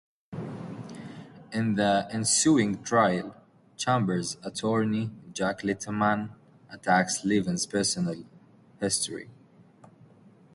In the ensuing trial, Chambers' attorney, Jack Litman, attacks Levin's personal history.